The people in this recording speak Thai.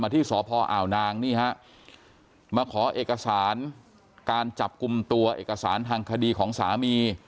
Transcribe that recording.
ที่สพอ่าวนางนี่ฮะมาขอเอกสารการจับกลุ่มตัวเอกสารทางคดีของสามี